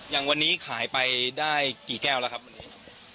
อย่างวันนี้ขายไปได้กี่แก้วแล้วครับวันนี้